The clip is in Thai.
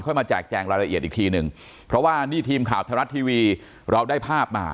มาแจกแจงรายละเอียดอีกทีหนึ่งเพราะว่านี่ทีมข่าวไทยรัฐทีวีเราได้ภาพมา